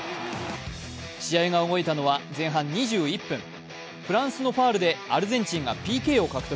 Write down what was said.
試合が動いたのは前半２１分、フランスのファウルでアルゼンチンがＰＫを獲得。